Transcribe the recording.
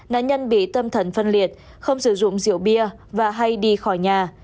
nạn nhân bị tâm thần phân liệt không sử dụng rượu bia và hay đi khỏi nhà